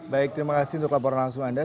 baik terima kasih untuk laporan langsung anda